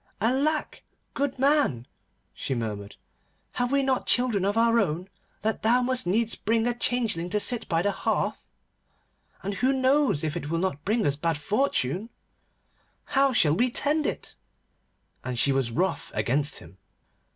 'Alack, goodman!' she murmured, 'have we not children of our own, that thou must needs bring a changeling to sit by the hearth? And who knows if it will not bring us bad fortune? And how shall we tend it?' And she was wroth against him.